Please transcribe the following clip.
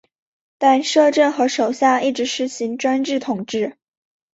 但摄政和首相一直施行专制统治。